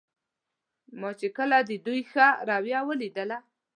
ما چې کله د دوی ښه رویه ولیدله.